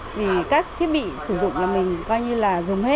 vì các thiết bị sử dụng nhà mình coi như là